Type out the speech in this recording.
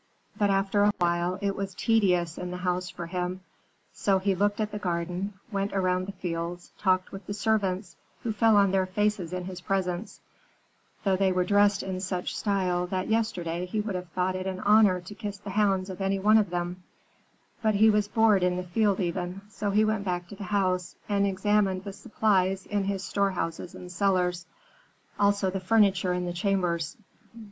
"But after a while it was tedious in the house for him; so he looked at the garden, went around the fields, talked with the servants, who fell on their faces in his presence, though they were dressed in such style that yesterday he would have thought it an honor to kiss the hands of any one of them; but he was bored in the field even, so he went back to the house, and examined the supplies in his storehouses and cellars, also the furniture in the chambers.